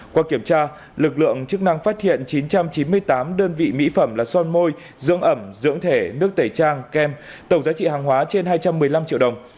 qua kiểm tra lực lượng chức năng phát hiện chín trăm chín mươi tám đơn vị mỹ phẩm là son môi dưỡng ẩm dưỡng thể nước tẩy trang kem tổng giá trị hàng hóa trên hai trăm một mươi năm triệu đồng